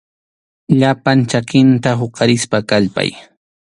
Llapan chakinta huqarispa kallpay.